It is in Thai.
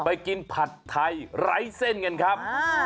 ไปกินผัดไทยไร้เส้นกันครับ